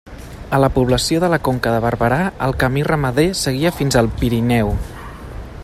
A la població de la Conca de Barberà, el camí ramader seguia fins al Pirineu.